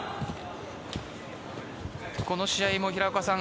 この試合も、平岡さん